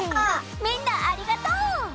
みんなありがとう！